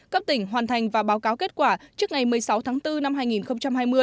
cấp tỉnh hoàn thành và báo cáo kết quả trước ngày một mươi sáu tháng bốn năm hai nghìn hai mươi